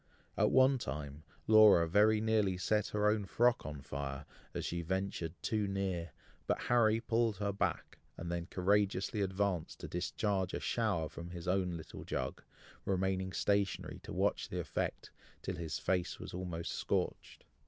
At one time, Laura very nearly set her own frock on fire, as she ventured too near, but Harry pulled her back, and then courageously advanced to discharge a shower from his own little jug, remaining stationary to watch the effect, till his face was almost scorched.